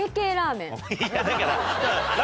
いやだから何。